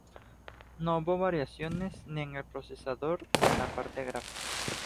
No hubo variaciones ni en el procesador ni en la parte gráfica.